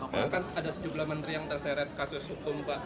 karena kan ada sejumlah menteri yang terseret kasus hukum pak